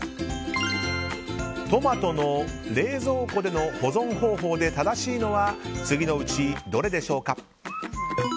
トマトの冷蔵庫での保存方法で正しいのは次のうちどれでしょうか。